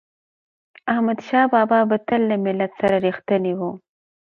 احمدشاه بابا به تل له ملت سره رښتینی و.